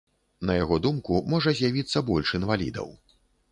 На яго думку, можа з'явіцца больш інвалідаў.